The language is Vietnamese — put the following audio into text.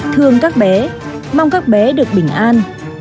thương các bé mong các bé được bình an